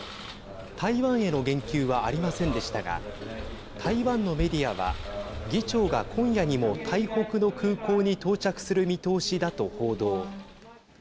台湾への言及はありませんでしたが台湾のメディアは議長が今夜にも台北の空港に到着する見通しだと報道。